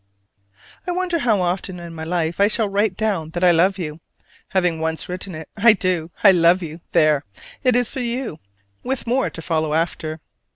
I wonder how often in my life I shall write down that I love you, having once written it (I do: I love you! there [it] is for you, with more to follow after!)